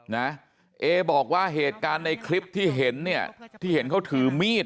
เอบอกว่าเหตุการณ์ในคลิปที่เห็นเนี่ยที่เห็นเขาถือมีด